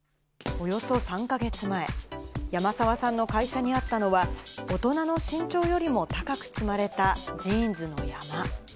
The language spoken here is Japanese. およそ３か月前、山澤さんの会社にあったのは、大人の身長よりも高く積まれたジーンズの山。